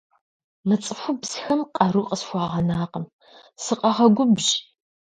Мы цӏыхубзхэм къару къысхуагъэнакъым, сыкъагъэгубжь.